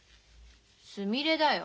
すみれだよ。